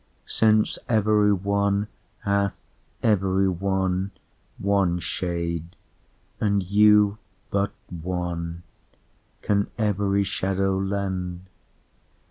Since every one, hath every one, one shade, And you but one, can every shadow lend.